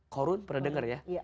korun pernah dengar ya